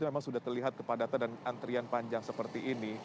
memang sudah terlihat kepadatan dan antrian panjang seperti ini